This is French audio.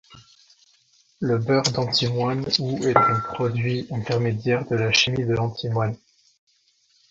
Le beurre d'antimoine ou est un produit intermédiaire de la chimie de l'antimoine.